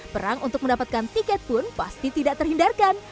perang untuk mendapatkan tiket pun pasti tidak terhindarkan